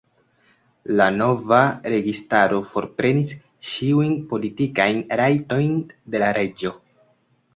La nova registaro forprenis ĉiujn politikajn rajtojn de la reĝo.